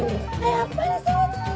やっぱりそうだ！